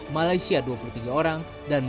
di sini kita bisa mengungkapkan data dari bnsp